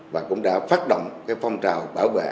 và cũng đã phát động phong trào bảo vệ